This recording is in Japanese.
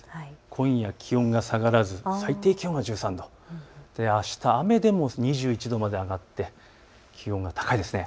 今夜、気温が下がらず最低気温が１３度、あした雨でも２１度まで上がって気温が高いです。